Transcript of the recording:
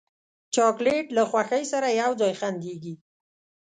چاکلېټ له خوښۍ سره یو ځای خندېږي.